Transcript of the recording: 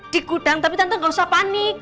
di gudang tapi tante gak usah panik